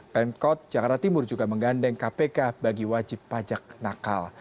pemkot jakarta timur juga menggandeng kpk bagi wajib pajak nakal